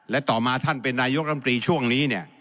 และต่อมาท่านเป็นนายกรรมตรีช่วงนี้เนี่ย